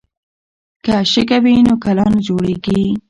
که شګه وي نو کلا نه جوړیږي.